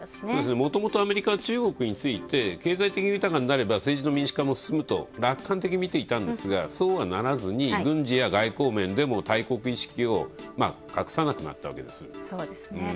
もともとアメリカは中国について経済的に豊かになれば政治の民主化も進むと楽観的にみていたんですが、そうはならずに軍事や外交面でも大国意識を隠さなくなったわけです。